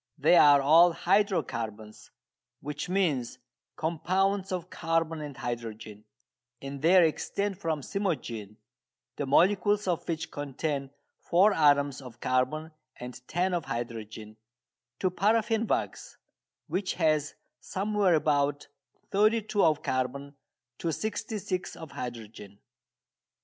They are all "hydro carbons," which means compounds of carbon and hydrogen, and they extend from cymogene (the molecules of which contain four atoms of carbon and ten of hydrogen) to paraffin wax, which has somewhere about thirty two of carbon to sixty six of hydrogen.